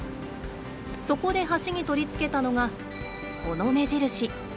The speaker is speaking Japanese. そこで橋に取り付けたのがこの「目印」。